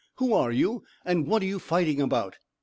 "Who are you? and what are you fighting about?"